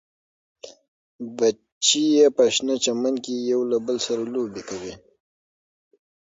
بچي یې په شنه چمن کې یو له بل سره لوبې کوي.